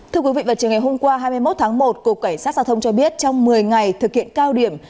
thưa quý vị vào chiều ngày hôm qua hai mươi một tháng một cục cảnh sát giao thông cho biết trong một mươi ngày thực hiện cao điểm